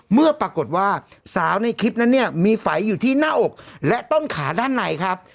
เมื่อปรากฏว่าสาวในคลิปนั้นเนี่ยมีไฝอยู่ที่หน้าอกและต้นขาด้านในครับ